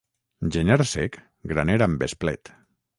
Gener sec, graner amb esplet.